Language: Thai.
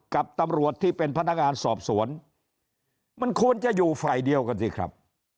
กับตำรวจที่เป็นพนักงานสอบสวนมันควรจะอยู่ฝ่ายเดียวกันสิครับ